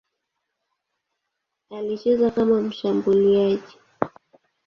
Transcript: Alicheza kama mshambuliaji.